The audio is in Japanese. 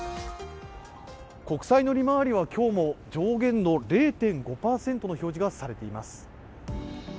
国債の利回りは今日も上限の０．５％の表示がされています。